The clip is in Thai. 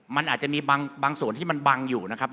มันอาจจะมีบางส่วนที่มันบังอยู่นะครับ